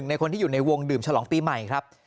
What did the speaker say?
ในคนที่อยู่ในวงดื่มฉลองปีใหม่ครับ